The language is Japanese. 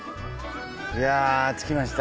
いや着きました。